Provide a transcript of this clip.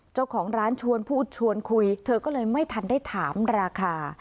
เจ้าของร้านชวนพูดชวนคุยเธอก็เลยไม่ทันได้ถามราคา